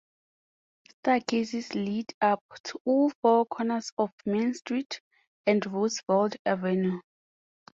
Staircases lead up to all four corners of Main Street and Roosevelt Avenue.